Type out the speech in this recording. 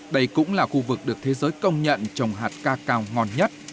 đây cũng là khu vực được thế giới công nhận trồng hạt ca cao ngon nhất